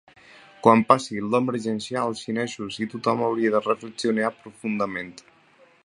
Quan passi l’emergència, els xinesos i tothom hauria de reflexionar profundament.